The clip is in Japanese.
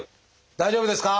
大丈夫ですか？